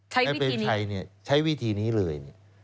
ให้เป็นชัยใช้วิธีนี้เลย